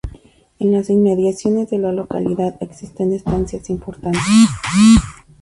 En las inmediaciones de la localidad existen estancias importantes.